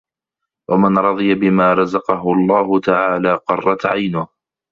وَمَنْ رَضِيَ بِمَا رَزَقَهُ اللَّهُ تَعَالَى قَرَّتْ عَيْنُهُ